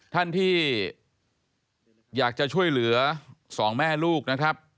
ท่านที่อยากจะช่วยเหลือ๒แม่ลูกนะครับ